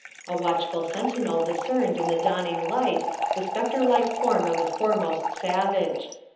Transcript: A watchful sentinel discerned in the dawning light the spectre like form of the foremost savage.